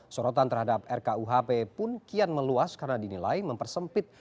sorotan terhadap rkuhp pun kian meluas karena dinilai mempersempit